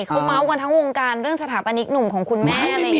เขามาวนทั้งวงการเรื่องสถาปนิกหนุ่มของคุณแม่